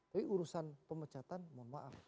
tapi urusan pemecatan mohon maaf